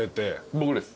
僕です。